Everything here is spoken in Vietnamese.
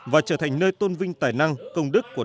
và trở thành nơi tôn vinh tài năng công đức của đức thái